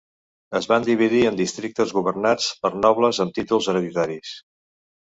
Es van dividir en districtes governats per nobles amb títols hereditaris.